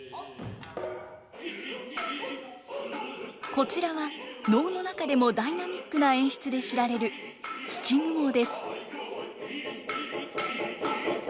こちらは能の中でもダイナミックな演出で知られる「土蜘蛛」です。